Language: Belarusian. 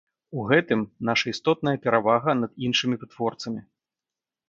У гэтым наша істотная перавага над іншымі вытворцамі.